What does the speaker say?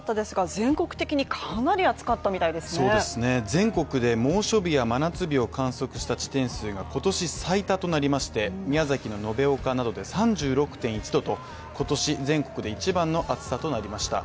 全国で猛暑日や真夏日を観測した地点数が今年最多となりまして、宮崎・延岡などで３６．１℃と、今年全国で一番の暑さとなりました。